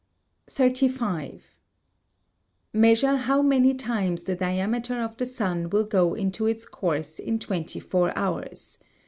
35. Measure how many times the diameter of the sun will go into its course in twenty four hours.